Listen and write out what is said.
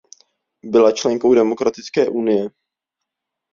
Byla členkou Demokratické unie.